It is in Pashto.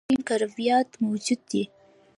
په دغه غوټو کې سپین کرویات موجود دي.